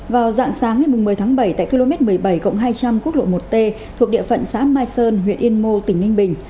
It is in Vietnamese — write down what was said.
vào dạng sáng ngày một mươi tháng bảy tại km một mươi bảy hai trăm linh quốc lộ một t thuộc địa phận xã mai sơn huyện yên mô tỉnh ninh bình